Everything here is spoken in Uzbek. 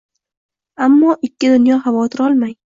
Ammo ikki dunyo xavotir olmang!